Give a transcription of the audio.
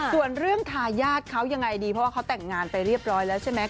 ส่วนเรื่องทายาทเขายังไงดีเพราะว่าเขาแต่งงานไปเรียบร้อยแล้วใช่ไหม